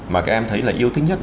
mà các em thấy là yêu thích nhất